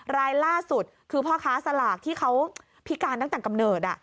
รายล่าสุดคือพ่อค้าสลากที่เขาพิการตั้งแต่กำเนิด